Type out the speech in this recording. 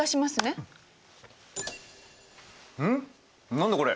何だこれ？